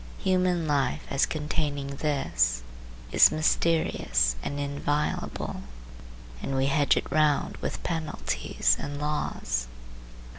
Human life, as containing this, is mysterious and inviolable, and we hedge it round with penalties and laws.